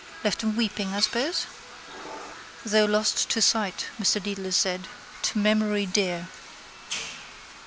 Left him weeping, I suppose? —Though lost to sight, Mr Dedalus said, to memory dear.